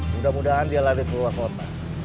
mudah mudahan dia lari keluar kota